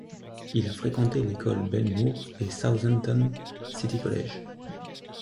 Il a fréquenté l'école Bellemoor et Southampton City College.